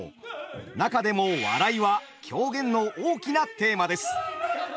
中でも「笑い」は狂言の大きなテーマです。